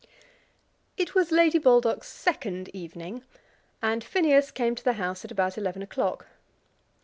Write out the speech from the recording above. It was Lady Baldock's second evening, and Phineas came to the house at about eleven o'clock.